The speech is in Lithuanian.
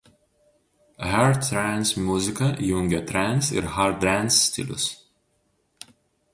Hard Trance muzika jungia Trance ir Hard Dance stilius.